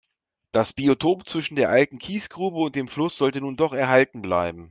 Das Biotop zwischen der alten Kiesgrube und dem Fluss soll nun doch erhalten bleiben.